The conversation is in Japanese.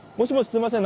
すいません。